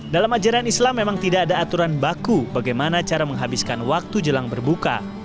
dalam ajaran islam memang tidak ada aturan baku bagaimana cara menghabiskan waktu jelang berbuka